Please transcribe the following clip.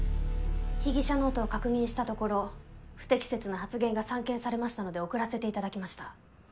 被疑者ノートを確認したところ不適切な発言が散見されましたので送らせていただきました。